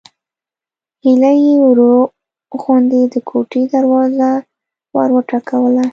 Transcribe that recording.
هيلې يې ورو غوندې د کوټې دروازه وروټکوله